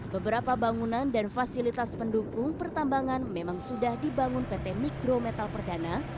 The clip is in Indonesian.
beberapa bangunan dan fasilitas pendukung pertambangan memang sudah dibangun pt mikrometal perdana